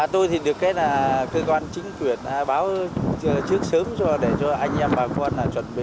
tôi được cơ quan chính quyền báo trước sớm cho anh em bà con chuẩn bị